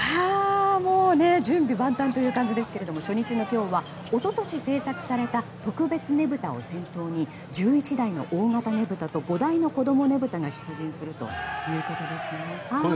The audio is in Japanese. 準備万端という感じですが初日の今日は一昨年制作された特別ねぶたを先頭に１１台の大型ねぶたと５台の子どもねぶたが出陣するということです。